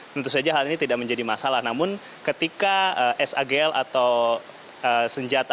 tentu saja hal ini tidak menjadi masalah namun ketika sagl atau senjata